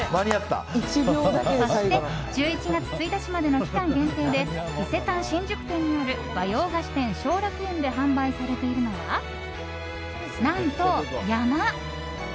そして１１月１日までの期間限定で伊勢丹新宿店にある和洋菓子店小楽園で販売されているのは何と、山。